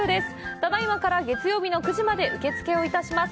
ただいまから月曜日の９時まで受け付けいたします。